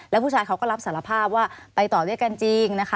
แล้วผู้ชายเขาก็รับสารภาพว่าไปต่อด้วยกันจริงนะคะ